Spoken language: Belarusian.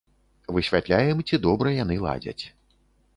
Высвятляем, ці добра яны ладзяць.